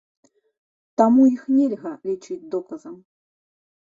Таму іх нельга лічыць доказам.